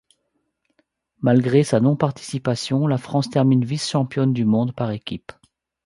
Malgré sa non-participation, la France termine vice-championne du monde par équipe.